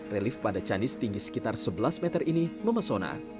relif pada candi setinggi sekitar sebelas meter ini memesona